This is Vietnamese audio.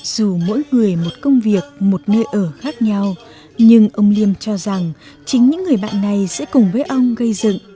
dù mỗi người một công việc một nơi ở khác nhau nhưng ông liêm cho rằng chính những người bạn này sẽ cùng với ông gây dựng